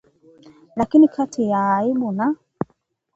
Lakini kati ya aibu na